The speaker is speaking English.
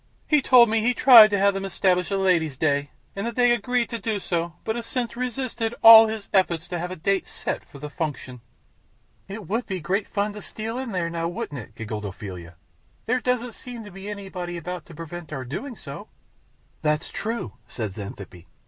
He told me he tried to have them establish a Ladies' Day, and that they agreed to do so, but have since resisted all his efforts to have a date set for the function." "It would be great fun to steal in there now, wouldn't it," giggled Ophelia. "There doesn't seem to be anybody about to prevent our doing so." "That's true," said Xanthippe.